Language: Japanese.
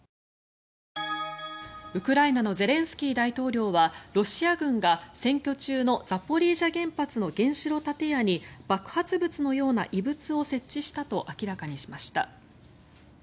ウクライナのゼレンスキー大統領はロシア軍が占拠中のザポリージャ原発の原子炉建屋に爆発物のような異物を設置したと明らかにしました。